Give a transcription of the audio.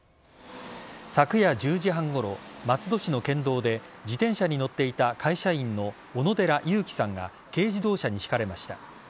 昨夜１０時半ごろ松戸市の県道で自転車に乗っていた会社員の小野寺佑季さんが軽自動車にひかれました。